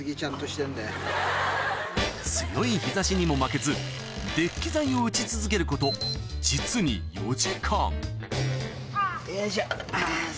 強い日差しにも負けずデッキ材を打ち続けること実によいしょあぁ。